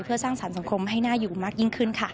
เพื่อสร้างสรรคมให้น่าอยู่มากยิ่งขึ้นค่ะ